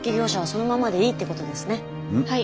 はい。